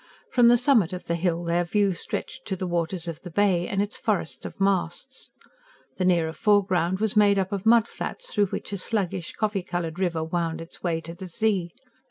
From the summit of the hill their view stretched to the waters of the Bay, and its forest of masts. The nearer foreground was made up of mud flats, through which a sluggish, coffee coloured river wound its way to the sea.